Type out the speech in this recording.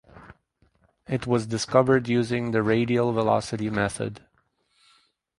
It was discovered using the radial velocity method.